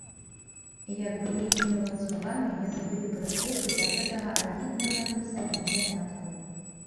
Як бы нейкімі ланцугамі яны былі прыкуты да гэтага агіднага ім самім занятку.